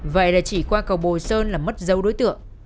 vậy là chỉ qua cầu bồi sơn là mất dấu đối tượng